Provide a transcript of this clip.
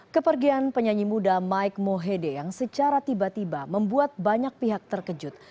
kepergian penyanyi muda mike mohede yang secara tiba tiba membuat banyak pihak terkejut